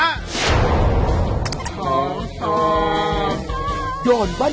ก้าวเกอร์เซปล่อยชู้ตู้เจ้าของเรา